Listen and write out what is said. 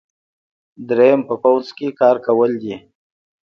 دریم په پوځ کې کار کول دي.